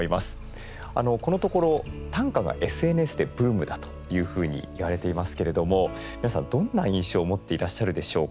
このところ短歌がＳＮＳでブームだというふうに言われていますけれども皆さんどんな印象を持っていらっしゃるでしょうか？